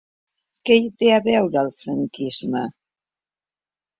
Què hi té a veure el franquisme?